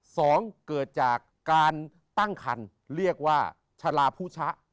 สองเกิดจากการตั้งคันเรียกว่าชะลาผู้ชะ